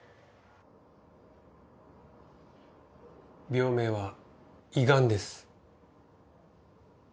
病名は胃がんです。